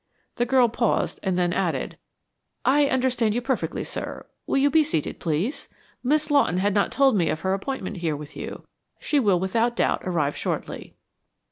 The girl paused and then added, "I understand perfectly, sir. Will you be seated, please? Miss Lawton had not told me of her appointment here with you. She will without doubt arrive shortly."